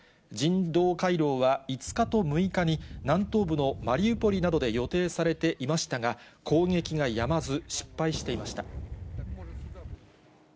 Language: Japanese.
人道回廊は、５日と６日に、南東部のマリウポリなどで予定されていましたが、攻撃がやまず、失敗していました。